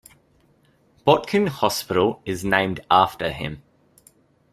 Botkin Hospital is named after him.